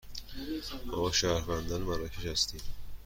ما شهروندان مراکش هستیم.